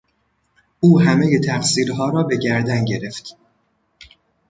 او همهی تقصیرها را به گردن گرفت.